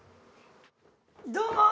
どうも！